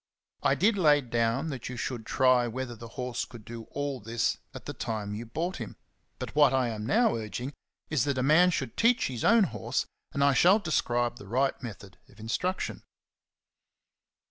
I did lay down that you should try whether the horse could do all this at the time you bought him ; but what I am now urging is that a man should teach 46 XENOPHON ON HORSEMANSHIP. his own horse, and I shall describe the right method of instruction.